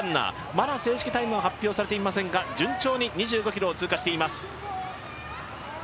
まだ正式タイムは発表されていませんが順調に２５ｋｍを通過しています。